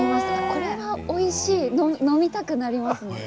これはおいしい飲みたくなりますね。